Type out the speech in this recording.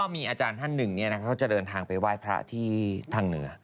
มีอาจารย์ท่านหนึ่งเขาจะเดินทางไปไหว้พระที่ทางเหนือ